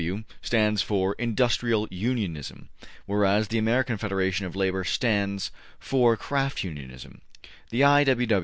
W. stands for industrial unionism, whereas the American Federation of Labor stands for craft unionism. The I. W.